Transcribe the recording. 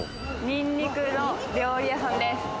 ニンニクの料理屋さんです。